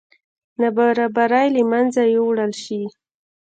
نابرابرۍ له منځه یوړل شي.